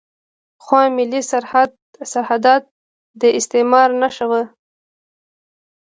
پخوا ملي سرحدات د استعمار نښه وو.